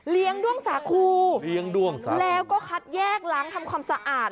เลี้ยงด้วงสาครูแล้วก็คัดแยกล้างทำความสะอาด